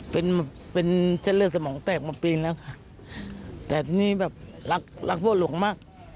เป็นเป็นเส้นเลือดสมองแตกมาปีแล้วค่ะแต่ทีนี้แบบรักรักพ่อหลวงมาก